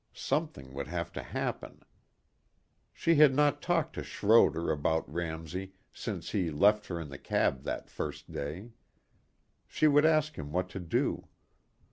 Something would have to happen. She had not talked to Schroder about Ramsey since he left her in the cab that first day. She would ask him what to do.